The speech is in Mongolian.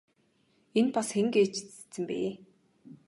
Энэ бас хэн гээч цэцэн бэ?